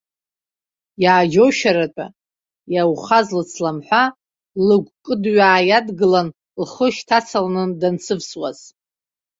Иааџьоушьаратәа иаухаз лыцламҳәа лыгә-кыдҩаа иадгылан, лхы шьҭацаланы дансывсуаз.